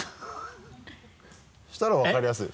そしたら分かりやすい。